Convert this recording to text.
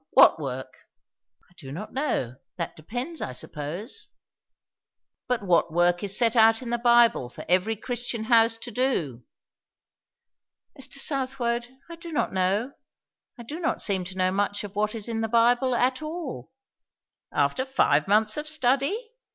What work?" "I do not know. That depends, I suppose." "But what work is set out in the Bible for every Christian house to do?" "Mr. Southwode, I do not know. I do not seem to know much of what is in the Bible, at all!" "After five months of study?"